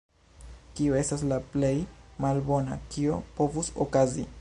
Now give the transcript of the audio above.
Kio estas la plej malbona, kio povus okazi?